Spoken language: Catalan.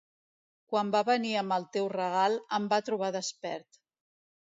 Quan va venir amb el teu regal, em va trobar despert.